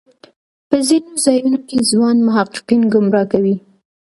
په ځینو ځایونو کې ځوان محققین ګمراه کوي.